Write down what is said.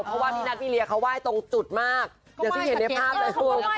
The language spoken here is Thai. เพราะว่าพี่นัทวิเรียเขาไหว้ตรงจุดมากอย่างที่เห็นในภาพเลย